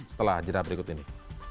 setelah jenayah berikut ini